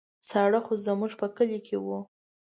ساړه خو زموږ په کلي کې وو.